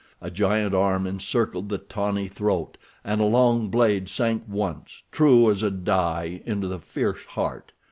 A giant arm encircled the tawny throat, and a long blade sank once, true as a die, into the fierce heart.